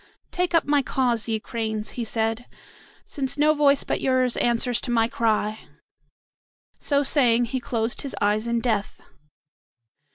"Take up my cause, ye cranes," he said, "since no voice but yours answers to my cry." So saying he closed his eyes in death.